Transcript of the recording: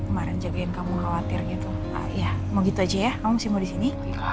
kemarin jagain kamu khawatir gitu ya mau gitu aja ya kamu masih mau di sini